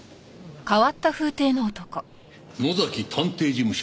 「野崎探偵事務所」。